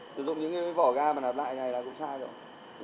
sử dụng những vỏ ga mà nạp lại này là cũng sai rồi